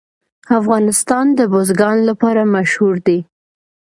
افغانستان د بزګان لپاره مشهور دی.